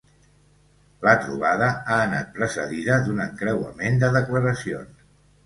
La trobada ha anat precedida d’un encreuament de declaracions.